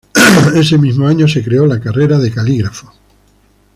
En ese mismo año se creó la Carrera de Calígrafos.